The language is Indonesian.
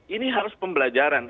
ini harus pembelajaran